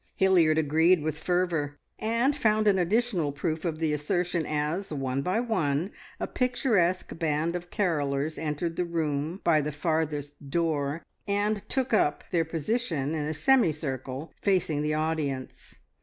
Hilliard agreed with fervour, and found an additional proof of the assertion as, one by one, a picturesque band of carollers entered the room by the farthest door and took up their position in a semicircle facing the audience.